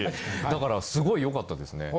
だからすごいよかったですね。